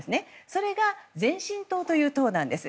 それが前進党という党なんです。